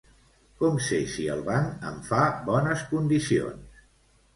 Com sé si el banc em fa bones condicions?